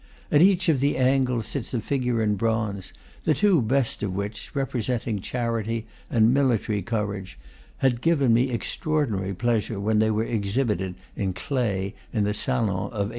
At each of the angles sits a figure in bronze, the two best of which, representing Charity and Military Courage, had given me extraordinary pleasure when they were exhibited (in the clay) in the Salon of 1876.